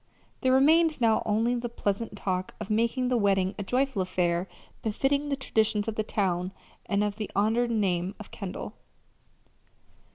There remained now only the pleasant task of making the wedding a joyful affair befitting the traditions of the town and of the honored name of Kendall.